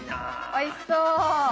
おいしそう。